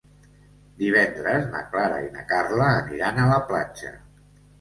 Divendres na Clara i na Carla aniran a la platja.